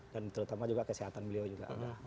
dan terutama juga kesehatan beliau juga